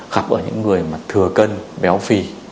gặp ở những người mà thừa cân béo phi